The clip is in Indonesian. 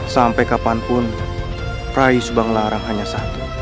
sampai kapanpun rai subanglarang hanya satu